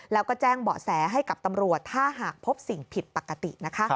แล้วก็แจ้งเบาะแสให้กับตำรวจถ้าหากพบสิ่งผิดปกตินะคะ